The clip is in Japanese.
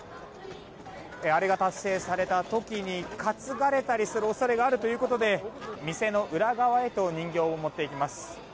アレが達成された時に担がれたりする恐れがあるということで店の裏側へと人形を持っていきます。